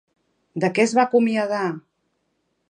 De què es va acomiadar?